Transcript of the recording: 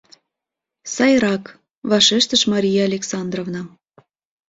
— Сайрак, — вашештыш Мария Александровна.